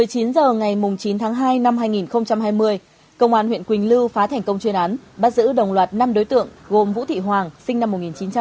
một mươi chín h ngày chín tháng hai năm hai nghìn hai mươi công an huyện quỳnh lưu phá thành công chuyên án bắt giữ đồng loạt năm đối tượng gồm vũ thị hoàng sinh năm một nghìn chín trăm tám mươi hai